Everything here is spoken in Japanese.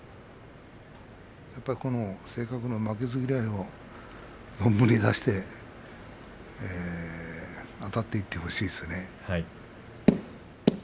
やっぱりこの性格の負けず嫌いを出してあたっていってほしいですね。